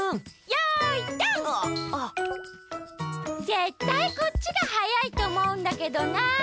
ぜったいこっちがはやいとおもうんだけどな。